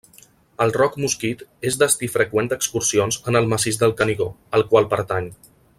El Roc Mosquit és destí freqüent d'excursions en el Massís del Canigó, al qual pertany.